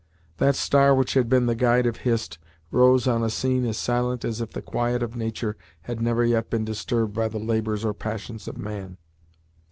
That star which had been the guide of Hist, rose on a scene as silent as if the quiet of nature had never yet been disturbed by the labors or passions of man.